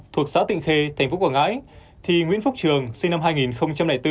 thuộc xã tịnh khê tp quảng ngãi thì nguyễn phúc trường sinh năm hai nghìn bốn